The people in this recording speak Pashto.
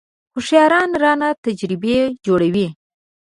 هوښیاران رانه تجربې جوړوي .